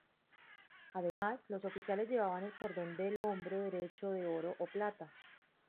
Además, los oficiales llevaban el cordón del hombro derecho de oro o plata.